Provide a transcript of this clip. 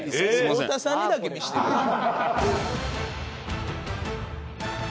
太田さんにだけ見せてるやんもう。